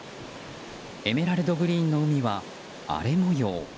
エメラルドグリーンの海は荒れ模様。